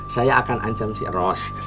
saya akan ancam si ros